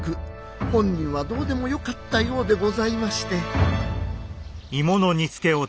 本人はどうでもよかったようでございまして。